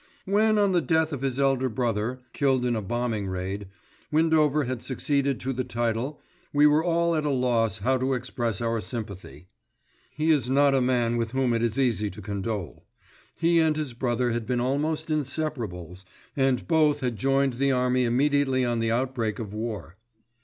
When, on the death of his elder brother, killed in a bombing raid, Windover had succeeded to the title, we were all at a loss how to express our sympathy. He is not a man with whom it is easy to condole. He and his brother had been almost inseparables, and both had joined the army immediately on the outbreak of war.